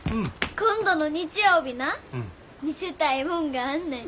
今度の日曜日な見せたいもんがあんねん。